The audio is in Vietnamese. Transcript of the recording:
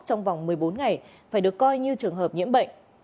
trong vòng một mươi bốn ngày phải được coi như trường hợp nhiễm bệnh